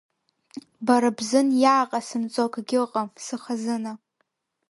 Бара бзын иааҟасымҵо акгьы ыҟам, сыхазына!